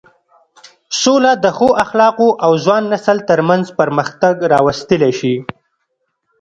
سوله د ښو اخلاقو او ځوان نسل تر منځ پرمختګ راوستلی شي.